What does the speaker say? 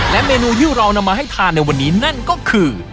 และเมนูที่เรานำมาให้ทานในวันนี้นั่นก็คือ